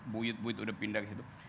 buid buid sudah pindah ke situ